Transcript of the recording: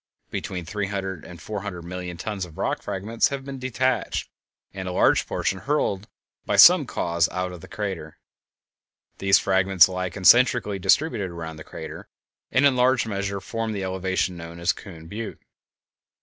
Between three hundred and four hundred million tons of rock fragments have been detached, and a large portion hurled by some cause out of the crater. These fragments lie concentrically distributed around the crater, and in large measure form the elevation known as Coon Butte.